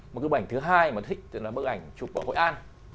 một cái bức ảnh thứ hai mà thích là bức ảnh chụp ở hội an